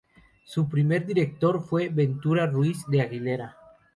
Su primer director fue Ventura Ruiz de Aguilera.